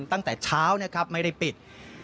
ตั้งแต่เช้านะครับไม่ได้ปิด